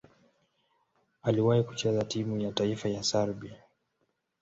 Aliwahi kucheza timu ya taifa ya Serbia.